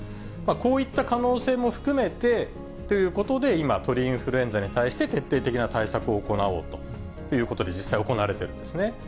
こういった可能性も含めてということで、今、鳥インフルエンザに対して徹底的な対策を行おうということで、実際行われているんですね。